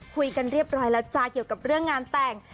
คุยกันเรียบร้อยแล้วจ๊ะเกี่ยวกับเรื่องงานแต่ง